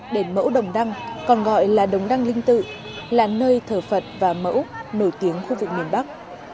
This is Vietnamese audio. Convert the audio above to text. đền mẫu đồng đăng còn gọi là đồng đăng linh tự là nơi thờ phật và mẫu nổi tiếng khu vực miền bắc